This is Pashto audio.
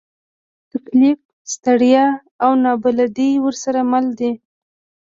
تکلیف، ستړیا، او نابلدي ورسره مل دي.